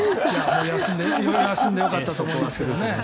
休んでよかったと思いますけどね。